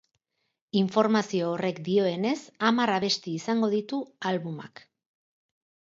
Informazio horrek dioenez, hamar abesti izango ditu albumak.